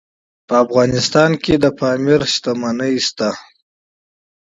په افغانستان کې د پامیر منابع شته.